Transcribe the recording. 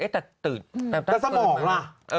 แต่สมองน่ะ